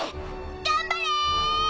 ［頑張れ！］